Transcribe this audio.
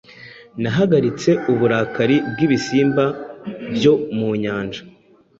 Nahagaritse uburakari bwibisimba byo mu nyanja